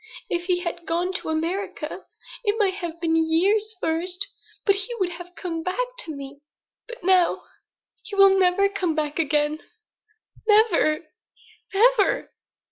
If he had gone to America it might have been years first but he would have come back to me. But now he will never come back again; never never!"